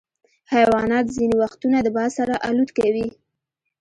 حیوانات ځینې وختونه د باد سره الوت کوي.